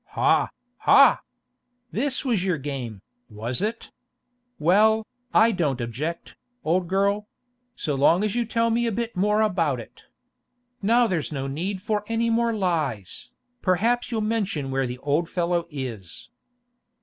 'Ha, ha! This was your game, was it? Well, I don't object, old girl—so long as you tell me a bit more about it. Now there's no need for any more lies, perhaps you'll mention where the old fellow is.